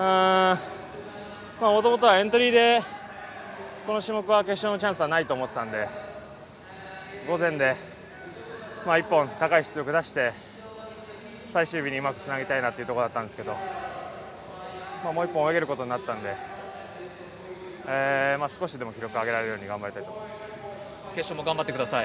もともとはエントリーでこの種目は決勝のチャンスはないと思ってたので午前で１本高い出力出して最終日にうまくつなげたいなというところだったんですけどもう１本泳げることになったので少しでも記録を上げられるように決勝も頑張ってください。